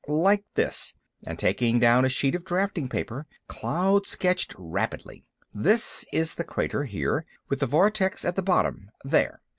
"Like this," and, taking down a sheet of drafting paper, Cloud sketched rapidly. "This is the crater, here, with the vortex at the bottom, there.